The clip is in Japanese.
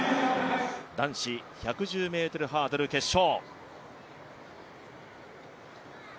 男子１１０ｍハードル決勝。